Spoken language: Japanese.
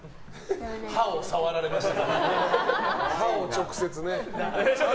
歯を触られましたね。